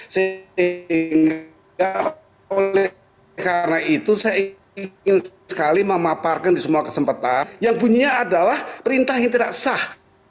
sehingga oleh karena itu saya ingin sekali memaparkan di semua kesempatan yang bunyinya adalah perintah yang tidak sah